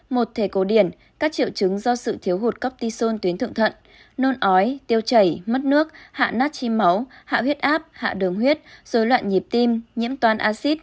một thể cổ điển các triệu chứng do sự thiếu hụt coptisone tuyến thượng thận